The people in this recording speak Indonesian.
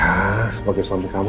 ya sebagai suami kamu